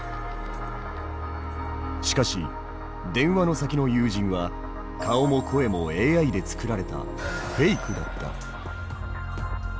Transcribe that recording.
しかし電話の先の友人は顔も声もＡＩで作られたフェイクだった。